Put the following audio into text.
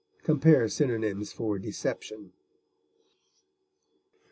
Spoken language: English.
Compare synonyms for DECEPTION.